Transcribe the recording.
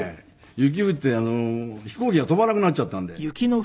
雪降って飛行機が飛ばなくなっちゃったんで。